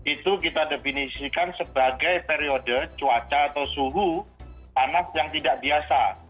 itu kita definisikan sebagai periode cuaca atau suhu panas yang tidak biasa